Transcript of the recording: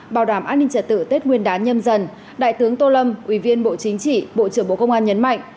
bảo đảm an ninh trật tự tết nguyên đán nhâm dần đại tướng tô lâm ủy viên bộ chính trị bộ trưởng bộ công an nhấn mạnh